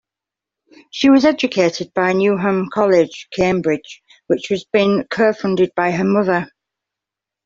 She was educated at Newnham College, Cambridge which had been co-founded by her mother.